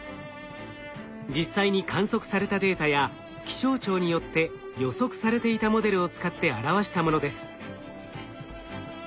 実際に観測されたデータや気象庁によって予測されていたモデルを使って表したものです。